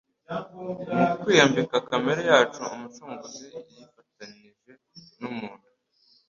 Mu kwiyambika kamere yacu Umucunguzi yifatanije n'umuntu